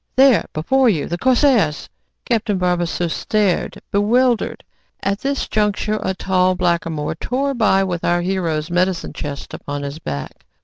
"There, before you, the corsairs" Captain Barbassou stared, bewildered. At this juncture a tall blackamoor tore by with our hero's medicine chest upon his back.